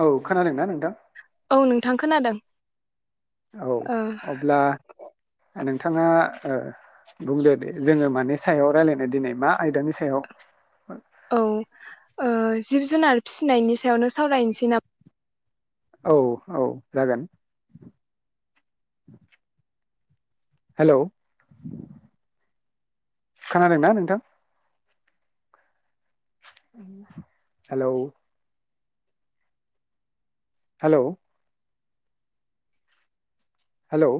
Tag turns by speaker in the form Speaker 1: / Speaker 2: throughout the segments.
Speaker 1: औ खोनादोंना नों
Speaker 2: औ नोंथां खोनादों
Speaker 1: औ
Speaker 2: ओ
Speaker 1: अब्ला नों नोंथाङा बुंदो दे जोङो मानि सायाव राय्लायनाय दिनै मा आयदानि सायाव [inaudible]
Speaker 2: औ ओ जिब जुनार फिसिनायनि सायावनो सावरायनोसै नामा
Speaker 1: औ औ जागोन हेलौ खोनादोंना नोंथां हेलौ हेलौ हेलौ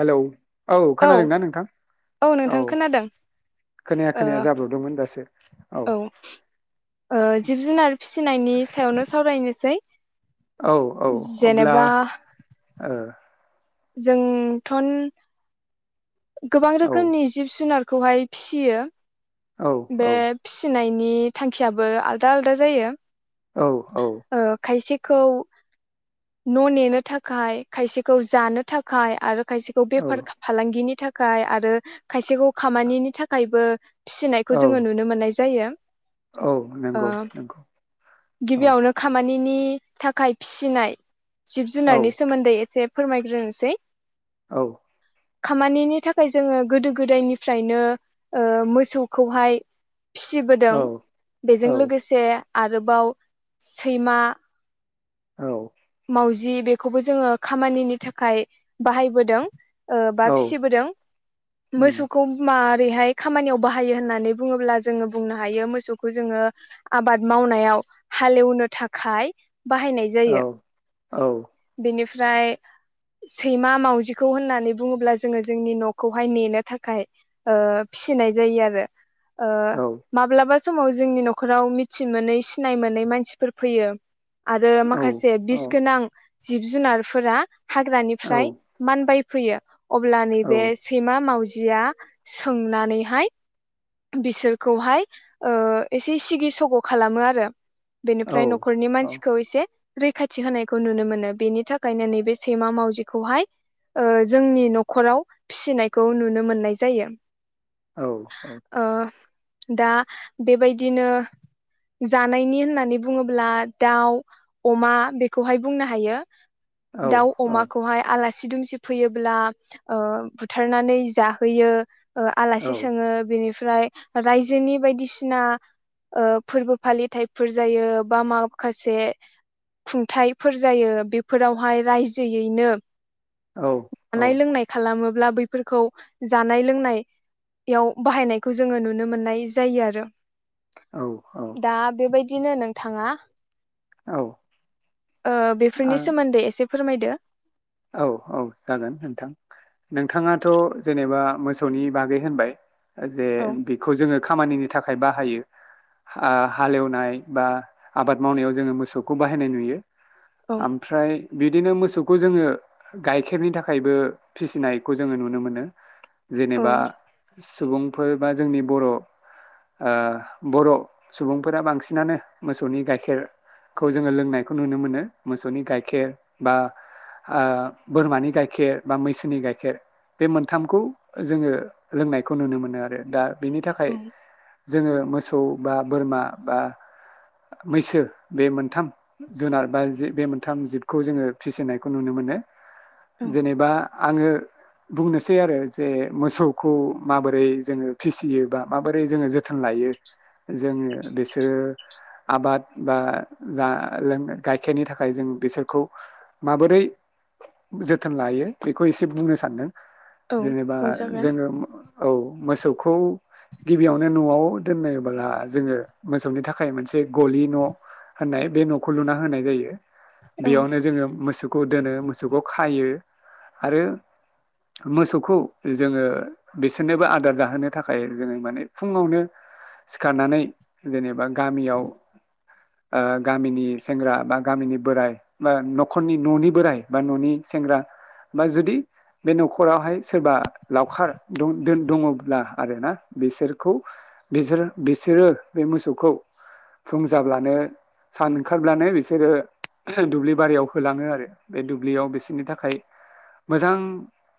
Speaker 1: हेलौ औ खोनादोंना नोंथां औ
Speaker 2: नोंथां खोनादों
Speaker 1: खोनाया
Speaker 2: ओ
Speaker 1: खोनाया जाब्रबदोंमोन दासो औ
Speaker 2: ओ जिब जुनार फिसिनायनि सायावनो सावरायनोसै
Speaker 1: औ औ अब्ला
Speaker 2: जेनेबा
Speaker 1: ओ
Speaker 2: जोंथ'न गोबां रोखोमनि जिब जुनारखौहाय फिसियो
Speaker 1: औ
Speaker 2: बे
Speaker 1: औ
Speaker 2: फिसिनायनि थांखियाबो आलदा आलदा जायो
Speaker 1: औ औ
Speaker 2: खौ न' नेनो थाखाय खायसेखौ जानो थाखाय आरो खायसेखौ
Speaker 1: औ
Speaker 2: बेफार फालांगिनि थाखाय आरो खायसेखौ खामानिनि थाखायबो फिसिनायखौ
Speaker 1: औ
Speaker 2: जोङो नुनो मोननाय जायो।
Speaker 1: औ
Speaker 2: ओ
Speaker 1: नंगौ नंगौ औ
Speaker 2: गिबियावनो खामानि नि थाखाय फिसिनाय जिब
Speaker 1: औ
Speaker 2: जुनारनि सोमोन्दै एसे फोरमायग्रोनोसै
Speaker 1: औ
Speaker 2: खामानिनि थाखाय जोङो गोदो गोदायनिफ्रायनो ओ मोसौखौहाय
Speaker 1: औ
Speaker 2: फिसिबोदों बेजों लोगोसे आरोबाव सैमा
Speaker 1: औ
Speaker 2: मावजि बेखौबो जोङो खामानिनि थाखाय बाहायबोदों ओ बा
Speaker 1: औ
Speaker 2: फिसिबोदों
Speaker 1: उम
Speaker 2: मोसौखौ मा रैहाय खामानियाव बाहायो होनानै बुङोब्ला जोङो बुंनो हायो मोसौखौ जोङो आबाद मावनायाव हालेवनो थाखाय बाहायनाय
Speaker 1: औ
Speaker 2: जायो
Speaker 1: औ
Speaker 2: बेनिफ्राय सैमा मावजिखौ होननानै बुङोब्ला जोङो जोंनि न'खौहाय नेनो थाखाय ओ फि सिनाय जायो आरो ओ
Speaker 1: औ
Speaker 2: माब्लाबा समाव जोंनि न'खराव मिथि मोनै सिनाय मोनै मानसिफोर फैयो आरो
Speaker 1: औ
Speaker 2: माखासे
Speaker 1: औ
Speaker 2: बिस गोनां जिब जुनारफोरा
Speaker 1: औ
Speaker 2: हाग्रानिफ्राय मानबाय फैयो अब्ला
Speaker 1: औ
Speaker 2: नैबे सैमा मावजिया सोंनानैहाय बिसोरखौहाय ओ एसे सिगि सग' खालामो आरो
Speaker 1: औ
Speaker 2: बेनिफ्राय न'खरनि
Speaker 1: औ
Speaker 2: मानसिखौ एसे रैखाथि होनायखौ नुनो मोनो बेनि थाखायनो नैबे सैमा मावजिखौहाय ओ जोंनि न'खराव फिसिनायखौ नुनो मोननाय जायो।
Speaker 1: औ औ
Speaker 2: ओ दा बेबायदिनो जानायनि होननानै बुङोब्ला दाउ अमा बेखौहाय बुंनो हायो
Speaker 1: औ
Speaker 2: दाउ अमाखौहाय आला सि दुमसि फैयोब्ला ओ बुथारनानै जाहोयो ओ
Speaker 1: औ
Speaker 2: आलासि सोङो बेनिफ्राय रायजोनि बायदिसिना ओ फोरबो फालिथायफोर जायो बा माखासे खुंथाइफोर जायो बेफोरावहाय राइजोयैनो जानाय
Speaker 1: औ
Speaker 2: लोंनाय खालामो ब्ला बैफोरखौ जानाय लोंनायाव बाहायनाय खौ जोङो नुनो मोननाय जायो आरो दा बेबाय दिनो नोंथाङा ओ बेफोरनि
Speaker 1: आं
Speaker 2: सोमन्दै एसे फोरमायदो
Speaker 1: औ औ जागोन नोंथां नोंथाङाथ' जेनेबा मोसौनि बागै होनबाय ओ जे
Speaker 2: औ
Speaker 1: बेखौ जोङो खामानिनि थाखाय बाहायो ओ हालेवनाय बा आबाद मावनायाव जोङो मोसौखौ बाहायनाय नुयो
Speaker 2: औ
Speaker 1: ओमफ्राय बिदिनो मोसौखौ जोङो गाइखेरनि थाखायबो फिसिनायखौ जोङो नुनो मोनो
Speaker 2: औ
Speaker 1: जेनेबा सुबुंफोर बा जोंनि बर' ओ बर' सुबुंफोरा बांसिनानो मोसौनि गाइखेर। खौ जोङो लोंनायखौ नुनो मोनो मोसौनि गाइखेर बा। बोरमानि गाइखेर बा मैसोनि गाइखेर। बे मोनथामखौ जोङो लोंनायखौ नुनो मोनो आरो दा। बिनि
Speaker 2: औ
Speaker 1: थाखाय जोङो मोसौ बा बोरमा बा। मैसो बे मोनथाम जुनार बाजि बे मोनथाम जिबखौ जोङो फिसिनाय। खौ नुनो मोनो
Speaker 2: औ
Speaker 1: जेनेबा आङो। बुंनोसै आरो जे मोसौखौ माबोरै जोङो फिसियो बा माबोरै जोङो जोथोन लायो। यो जोङो बिसोरो। आबाद बा जा लोङो गाइखेरनि थाखाय जों बिसोरखौ। माबोरै जोथोन लायो बेखौ एसे बुंनो सानदों।
Speaker 2: औ
Speaker 1: जेनेबा
Speaker 2: बुंजागोन
Speaker 1: जोङो मो औ मोसौ। खौ गिबियावनो न'आव दोननायबोला जोङो मोसौनि थाखाय मोनसे गलि न'। होननाय बे न'खौ लुना होनाय जायो
Speaker 2: औ
Speaker 1: बेयावनो जोङो मो। मोसौखौ दोनो मोसौखौ खायो आरो। मोसौखौ जोङो बिसोरनोबो आदार जाहोनो थाखाय जोङो माने फुङावनो। सिखारनानै जेनेबा गामियाव । गामिनि सेंग्रा बा गामिनि बोराय बा न'ख। फोरनि न'नि बोराइ बा न'नि सेंग्रा बा जुदि। बे न'खरावहाय सोरबा लावखार द दो दङब्ला आर ना बिसोरखौ। बिसोर बिसोरो बे मोसौखौ। फुं जाब्लानो सान ओंखारब्लानो बिसोरो ओह दुब्लि बारियाव। होलाङो आरो बे दुब्लियाव बिसोरनि थाखाय। मोजां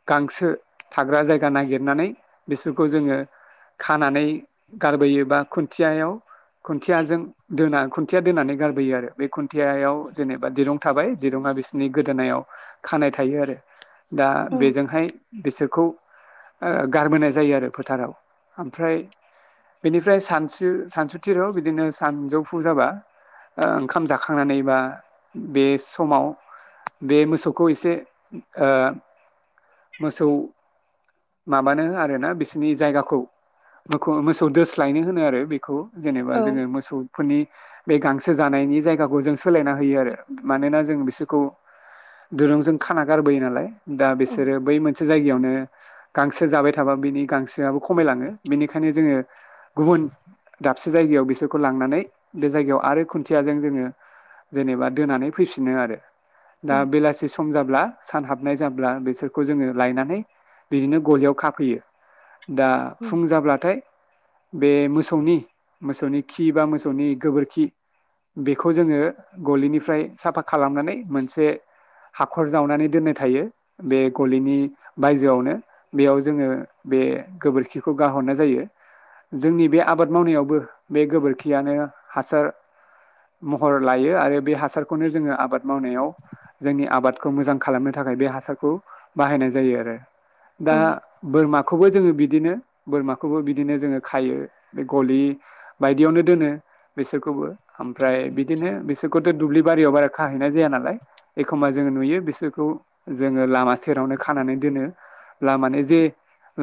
Speaker 1: गांसो थाग्रा जायगा नागिरनानै बिसोरखौ जोङो। खानानै गारबोयोबा खुन्थियायाव खुन्थियाजों दोना खुन्थिया दोनानै गारबोयो आरो बे खुन्थियायाव जेनेबा दिरुं थाबाय। दिरुङा बिसोरनि गोदोनायाव खानाय थायो आरो। दा
Speaker 2: औ
Speaker 1: बेजोंहाय बिसोरखौ। ओ गारबोनाय जायो आरो फोथाराव ओमफ्राय। बेनिफ्राय सानसु सानसुथिराव बिदिनो सानजौफु जाबा। ओंखाम जाखांनानै बा बे। समाव बे मोसौखौ एसे ओ। मोसौ माबानो आरोना बिसोरनि जायगाखौ मोखौव मोसौ दोस्लायनो होनो आरो बेखौ। जेनेबा
Speaker 2: औ
Speaker 1: जोङो मोसौफोरनि बे गांसो जानायनि जायगाखौ जों सोलायना होयो आरो मानोना जों बिसोरखौ दुरुंजों खाना गारबोयो नालाय दा
Speaker 2: औ
Speaker 1: बिसोरो बै मोनसे जायगायावनो गांसो जाबाय थाबा बिनि गांसोआबो खमायलाङो । बेनिखायनो जोङो गुबुन दाबसे जायगायाव बिसोरखौ लांनानै बे जायगायाव आरो खुन्थियाजों जोङो जेनेबा दोनानै फैफिनो आरो दा
Speaker 2: औ
Speaker 1: बेलासि सम जाब्ला, सान हाबनाय जाब्ला बिसोरखौ जोङो लायनानै बिदिनो गलियाव खाफैयो। दा फुं जाब्लाथाय बे मोसौनि मोसौनि खि एबा मोसौनि गोबोरखि बेखौ जोङो गलिनिफ्राय साफा खालामनानै मोनसे हाख'र जावनानै दोननाय थायो बे गलिनि बायजोआवनो बेयाव जोङो बे गोबोरखिखौ गाहरनाय जायो। जोंनि बे आबाद मावनायावबो बे गोबोरखियानो हासार महर लायो आरो बे हासारखौनो जोङो आबाद मावनायाव जोंनि आबादखौ मोजां खालामनो थाखाय बे हासारखौ बाहायनाय जायो आरो। दा
Speaker 2: औ
Speaker 1: बोरमाखौबो जोङो बि दिनो बोरमाखौबो बिदिनो जोङो खायो बे गलि बायदियावनो दोनो बिसोरखौबो । ओमफ्राय बिदिनो बिसोरखौ थो दुब्लि बारियाव बारा खाहैनाय जाया नालाय एखमबा जों नुयो बिसोरखौ जोंङो लामा सेरावनो खानानै दोनो । लामानि जे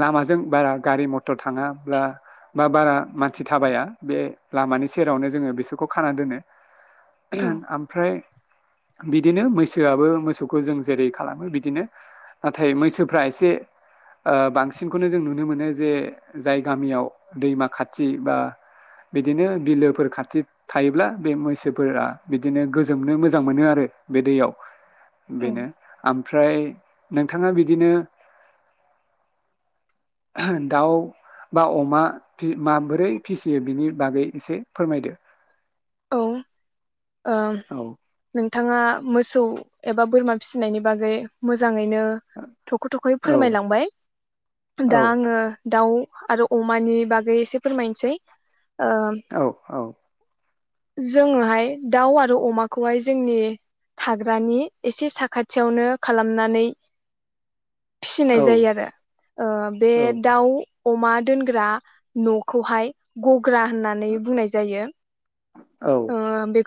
Speaker 1: लामाजों बारा गारि मथर थांङाब्ला मा बारा मानसि थाबाया बे लामानि सेरावनो जोंङो बिसोरखौ खाना दोनो । आम बिदिनो मैसोआबो मोसौखौ जों जेरै खालामो बिदिनो नाथाय मैसोफ्रा एसे ओ बांसिनखौनो जों नुनो मोनो जे जाय गामियाव दैमा खाथि बा बिदिनो बिलोफोर खाथि थायोब्ला बे मैसोफोरा बिदिनो गो जोमनो मोजां मोनो आरो बे दैयाव
Speaker 2: औ
Speaker 1: बेनो आम ओमफ्राय नोंथांङा बिदिनो
Speaker 2: [inaudible]
Speaker 1: ओहो दाउ बा अमा फि माबोरै फिसियो बिनि बागै एसे फोरमायदो
Speaker 2: औ ओ नों
Speaker 1: औ
Speaker 2: नोंथांङा मोसौ एबा बोरमा फिसिनायनि बागै मोजांङै नो थख' थख'यै
Speaker 1: औ
Speaker 2: फोरमायलांबाय
Speaker 1: औ
Speaker 2: दा आंङो दाउ आरो अमानि बागै एसे फोरमायनोसै
Speaker 1: औ औ
Speaker 2: जोंङोहाय दाउ आरो अमाखौहाय जोंनि हाग्रानि एसे साखाथियावनो खालामनानै फिसिनाय
Speaker 1: औ
Speaker 2: जायो आरो ओ बे
Speaker 1: औ
Speaker 2: दाउ अमा दोनग्रा नखौहाय गग्रा होननानै बुंनाय जायो ।
Speaker 1: औ ।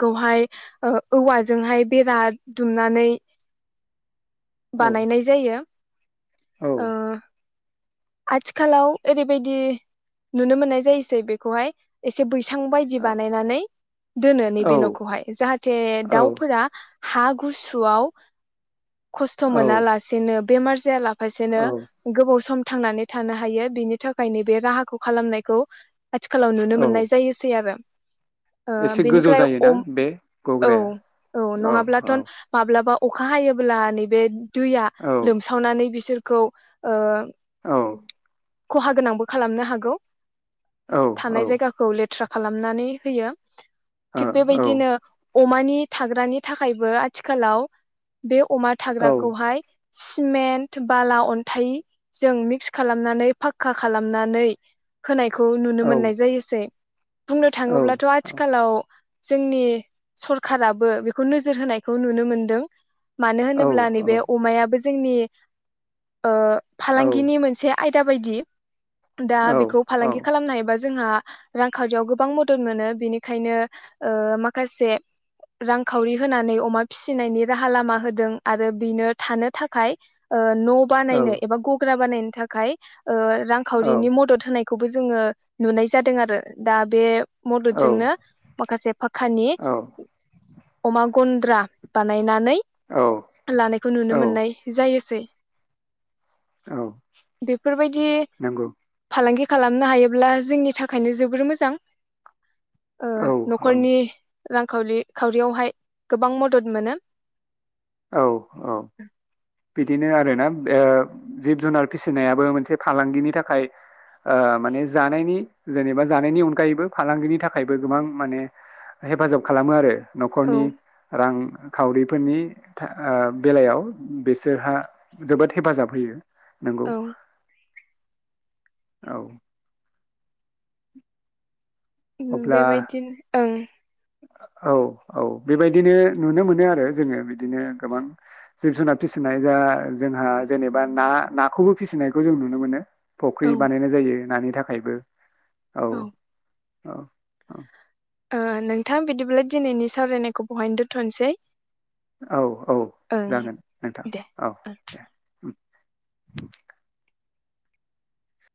Speaker 2: खौहाय ओ औवाजोंहाय बेरा दुमनानै । बानायनाय जायो ओ आथिखालाव ओरैबायदि नुनो मोननाय जायोसै बेखौहाय एसे बैस सां बायदि बानायनानै दोनो नैबे नखौहाय जाहाथे दाउफोरा । हा गुसुआव खस्थ
Speaker 1: औ
Speaker 2: मोना लासेनो बेमार जाया लाबा फारसेनो गोबाव सम थांनानै थानो हायो बिनि थाखाय नैबे राहाखौ खालामनायखौ । आथिखालाव नुनो
Speaker 1: औ
Speaker 2: मोननाय जायोसै आरो । ओ
Speaker 1: एसे गोजौ
Speaker 2: बेनिफ्राय
Speaker 1: जायोना
Speaker 2: अम
Speaker 1: बे
Speaker 2: औ
Speaker 1: गग्राया
Speaker 2: औ नंङाब्लाथ माब्लाबा अखा हायोब्ला नैबे दैया लोमसावनानै बिसोरखौ ओ खहा गोनांबो खालामनो हागौ थानाय जायगाखौ लेथ थ्रा खालामनानै होयो थिग बेबायदिनो । अमानि थाग्रानि थाखायबो आथिखालाव बे अमा थाग्राखौहाय सिमेन्ट बाला अन्थाइ जों मि मिक्स खालामनानै फाक्का खालामनानै होनायखौ नुनो मोननाय जायोसै । बुंनो थांङोब्लाथ आथिखालाव । जोंनि सरखाराबो बेखौ नोजोर होनायखौ नुनो मोनदों मानो होनोब्ला नैबे अमायाबो जोंनि ओ फालांगिनि मोन आयदा बायदि दा बेखौ फालांगि खालामनो हायोबा जोंहा रांखावरियाव गोबां मदद मोनो बिनिखायनो ओ माखासे रां खावरि होनानै अमा फिसिनायनि राहा लामा होदों आरो बेनो थानो थाखाय ओ न बानायनो एबा गग्रा बानायनो थाखाय ओ रांखावरिनि मदद होनाय । खौबो जोंङो नुनाय जादों आरो दा बे मददजोंनो माखासे फाखानि अमा गन्द्रा बानायनानै
Speaker 1: औ
Speaker 2: लानायखौ नुनो मोननाय जायोसै
Speaker 1: औ
Speaker 2: बेफोरबायदि
Speaker 1: नंगौ
Speaker 2: फालांगि खालामनो हायोब्ला जोंनि थाखायनो जोबोर मोजां ओ
Speaker 1: औ औ
Speaker 2: न'खरनि रांखावरि खावरियावहाय गोबां मदद मोनो
Speaker 1: औ औ बिदिनो आरो ना ओ जिब जुनार फिसिनायाबो मोनसे फालांगिनि थाखाय । ओ माने जानायनि जेनेबा जानायनि अनगायैबो फालांगिनि थाखायबो गोबां माने हेफाजाब खालामो आरो
Speaker 2: औ
Speaker 1: न'खरनि रांखावरिफोरनि था बेलायाव बिसोरहा जोबोद हेफाजाब होयो नोंगौ
Speaker 2: औ
Speaker 1: औ [unintelligible]
Speaker 2: उम
Speaker 1: अब्ला
Speaker 2: बेबायदिनो ओं
Speaker 1: औ औ बेबायदिनो नुनो मोनो आरो जोङो बिदिनो गोबां जिब जुनार फि फिसिनाय जा जोंहा जेनेबा ना नाखौबो फिसिनायखौ जों नुनो मोनो । फुख्रि
Speaker 2: औ
Speaker 1: बानायनाय जायो नानि थाखायबो औ औ औ
Speaker 2: ओ नोंथां बिदिब्ला दिनैनि सावरायनायखौ बहायनो दोन्थ'नोसै
Speaker 1: औ औ जागोन नोंथां
Speaker 2: दे
Speaker 1: औ
Speaker 2: ओ
Speaker 1: दे । [unintelligible]